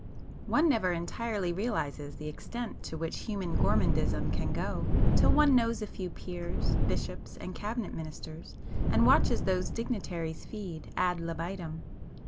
One never entirely realises the extent to which human gourmandism can go till one knows a few peers, bishops and cabinet ministers, and watches those dignitaries feed ad libitum.